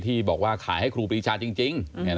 ที่บอกว่าขายให้ครูปรีชาจริง